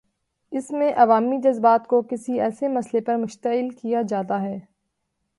اس میں عوامی جذبات کو کسی ایسے مسئلے پر مشتعل کیا جاتا ہے۔